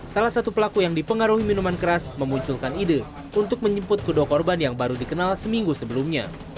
salah satu pelaku yang dipengaruhi minuman keras memunculkan ide untuk menjemput kedua korban yang baru dikenal seminggu sebelumnya